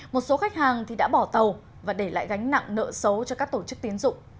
một số khách hàng thì đã bỏ tàu và để lại gánh nặng nợ xấu cho các tổ chức tiến dụng